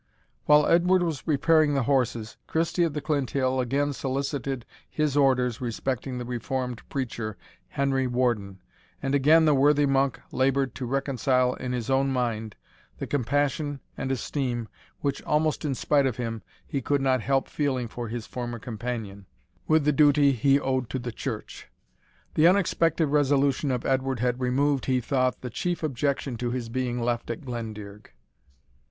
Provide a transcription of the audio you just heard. While Edward was preparing the horses, Christie of the Clinthill again solicited his orders respecting the reformed preacher, Henry Warden, and again the worthy monk laboured to reconcile in his own mind the compassion and esteem which, almost in spite of him, he could not help feeling for his former companion, with the duty which he owed to the Church. The unexpected resolution of Edward had removed, he thought, the chief objection to his being left at Glendearg.